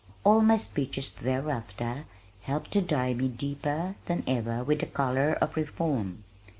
All my speeches thereafter helped to dye me deeper than ever with the color of reform.